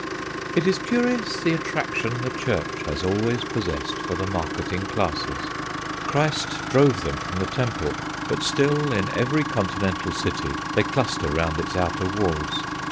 It is curious the attraction the Church has always possessed for the marketing classes. Christ drove them from the Temple, but still, in every continental city, they cluster round its outer walls.